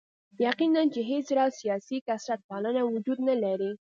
یقیناً چې هېڅ راز سیاسي کثرت پالنه وجود نه لري.